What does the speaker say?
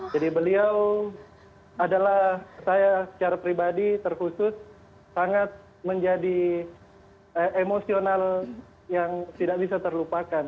jadi beliau adalah saya secara pribadi terkhusus sangat menjadi emosional yang tidak bisa terlupakan